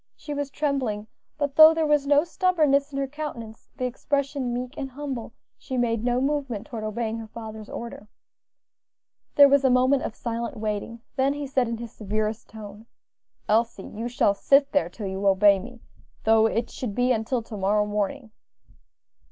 She was trembling, but though there was no stubbornness in her countenance, the expression meek and humble, she made no movement toward obeying her father's order. There was a moment of silent waiting; then he said in his severest tone, "Elsie, you shall sit there till you obey me, though it should be until to morrow morning."